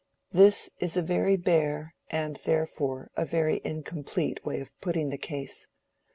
This is a very bare and therefore a very incomplete way of putting the case.